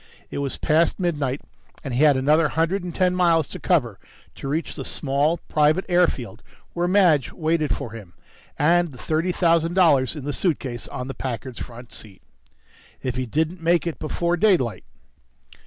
It was past midnight, and he had another hundred and ten miles to cover to reach the small private airfield where Madge waited for him and the thirty thousand dollars in the suitcase on the Packard's front seat. If he didn't make it before daylight....